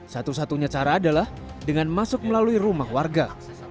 satu satunya cara adalah dengan masuk melalui rumah warga